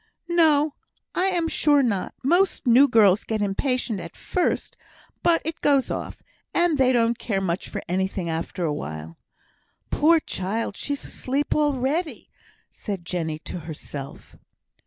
"No, I am sure not. Most new girls get impatient at first; but it goes off, and they don't care much for anything after awhile. Poor child! she's asleep already," said Jenny to herself.